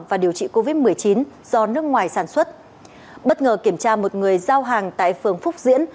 và điều trị covid một mươi chín do nước ngoài sản xuất bất ngờ kiểm tra một người giao hàng tại phường phúc diễn